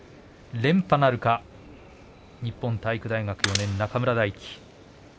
連覇なるか日本体育大学４年、中村泰輝。